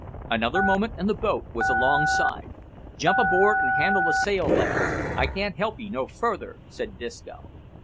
Another moment and the boat was alongside. "Jump aboard and handle the sail, lads; I can't help 'ee no further," said Disco.